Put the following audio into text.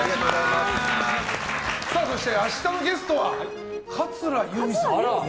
明日のゲストは桂由美さん。